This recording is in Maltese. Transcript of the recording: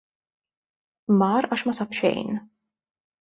Mar għax ma sab xejn.